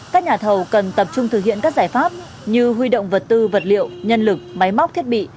các nhà thầu cần tập trung thực hiện các giải pháp như huy động vật tư vật liệu nhân lực máy móc thiết bị